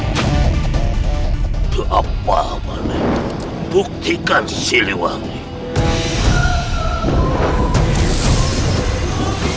apa yang kamu lakukan ini membuktikan siliwangi